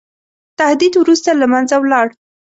تهدید وروسته له منځه ولاړ.